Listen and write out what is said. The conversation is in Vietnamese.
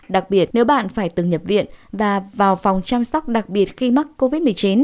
đặc biệt nếu bạn phải từng nhập viện và vào phòng chăm sóc đặc biệt khi mắc covid một mươi chín